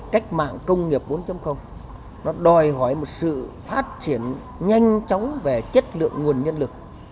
cách mạng công nghiệp bốn nó đòi hỏi một sự phát triển nhanh chóng về chất lượng nguồn nhân lực